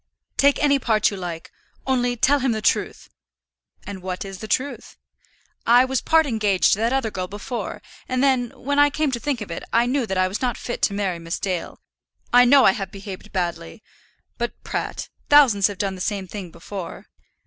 "Take any part you like, only tell him the truth." "And what is the truth?" "I was part engaged to that other girl before; and then, when I came to think of it, I knew that I was not fit to marry Miss Dale. I know I have behaved badly; but, Pratt, thousands have done the same thing before."